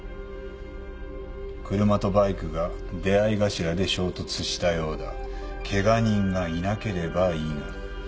「車とバイクが出合い頭で衝突したようだ」「ケガ人がいなければいいが」